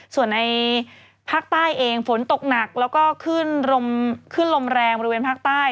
ส่วนในภาคใต้เองฝนตกหนักแล้วก็ขึ้นลมแรงบริเวณภาคใต้